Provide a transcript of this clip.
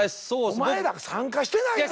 お前ら参加してないやろ！